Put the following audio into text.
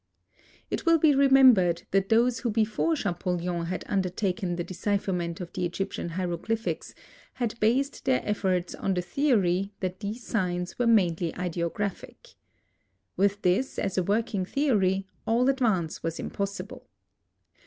It will be remembered that those who before Champollion had undertaken the decipherment of the Egyptian hieroglyphics, had based their efforts on the theory that these signs were mainly ideographic. With this as a working theory, all advance was impossible.